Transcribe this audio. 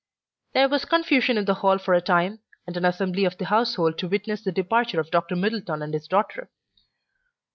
There was confusion in the hall for a time, and an assembly of the household to witness the departure of Dr. Middleton and his daughter.